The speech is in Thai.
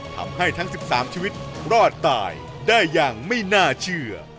ทำให้ทั้ง๑๓ชีวิตรอดตายได้อย่างไม่น่าเชื่อ